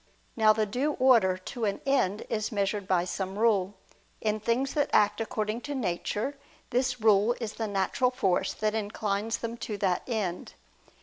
Now the due order to an end is measured by some rule. In things that act according to nature, this rule is the natural force that inclines them to that end.